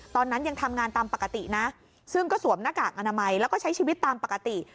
ตอนนั้นยังทำงานตามปกตินะซึ่งก็สวมหน้ากากอนามัยแล้วก็ใช้ชีวิตตามปกติ